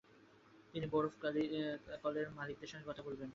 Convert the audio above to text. তিনি বরফ কলের মালিকদের সঙ্গে কথা বলবেন বলে জানান।